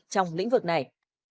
trong lĩnh vực này